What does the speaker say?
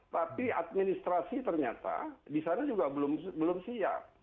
tapi administrasi ternyata di sana juga belum siap